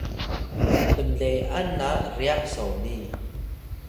knle’an na ryax soni